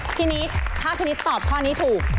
นิดถ้าพี่นิดตอบข้อนี้ถูก